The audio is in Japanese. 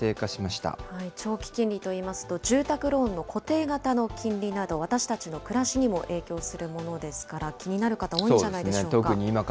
長期金利といいますと、住宅ローンの固定型の金利など、私たちの暮らしにも影響するものですから、気になる方、多いんじゃないでしょうか。